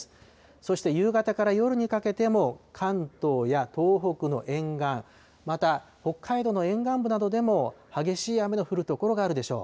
そして夕方から夜にかけても、関東や東北の沿岸、また北海道の沿岸部などでも激しい雨の降る所があるでしょう。